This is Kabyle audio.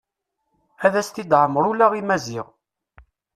Ad as-t-id-tɛemmer ula i Maziɣ.